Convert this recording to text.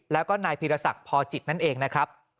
แล้วก็นายพีรศักดิ์พอจิตนั่นเองนะครับ